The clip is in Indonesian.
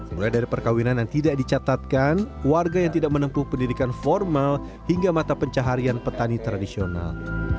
mulai dari perkawinan yang tidak dicatatkan warga yang tidak menempuh pendidikan formal hingga mata pencaharian petani tradisional